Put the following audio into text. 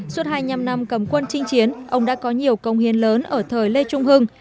suốt hai mươi năm năm cầm quân trinh chiến ông đã có nhiều công hiến lớn ở thời lê trung hưng